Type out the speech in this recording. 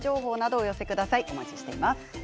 お待ちしています。